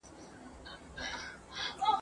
برېتور دي چي ښخېږي د زمریو جنازې دي ..